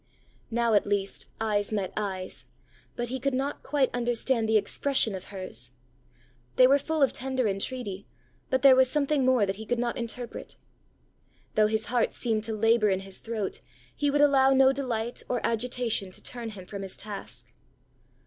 Now at least, eyes met eyes; but he could not quite understand the expression of hers. They were full of tender entreaty, but there was something more that he could not interpret. Though his heart seemed to labour in his throat, he would allow no delight or agitation to turn him from his task.